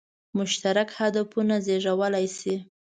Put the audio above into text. مشترک هدفونه زېږولای شي.